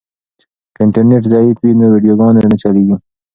که انټرنیټ ضعیف وي نو ویډیوګانې نه چلیږي.